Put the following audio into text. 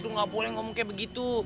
lu ga boleh ngomong kayak begitu